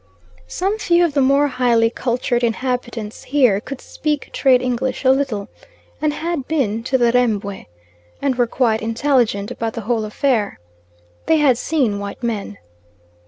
Some few of the more highly cultured inhabitants here could speak trade English a little, and had been to the Rembwe, and were quite intelligent about the whole affair. They had seen white men.